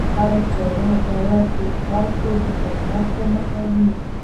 هره چاره بايد د خلکو د خدمت په موخه وي